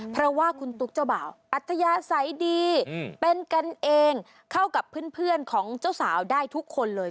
เพราะว่าคุณตุ๊กเจ้าบ่าวอัธยาศัยดีเป็นกันเองเข้ากับเพื่อนของเจ้าสาวได้ทุกคนเลย